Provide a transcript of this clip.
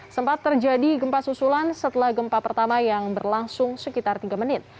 sempat terjadi gempa susulan setelah gempa pertama yang berlangsung sekitar tiga menit